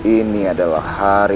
ini adalah hari